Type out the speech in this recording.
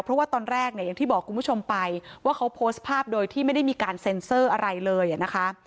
เพราะว่าตอนแรกเนี่ยอย่างที่บอกคุณผู้ชมไปว่าเขาโพสต์ภาพโดยที่ไม่ได้มีการเซ็นเซอร์อะไรเลยนะคะ